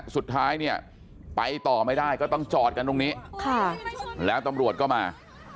สุดท้ายเนี่ยไปต่อไม่ได้ก็ต้องจอดกันตรงนี้แล้วตำรวจก็มา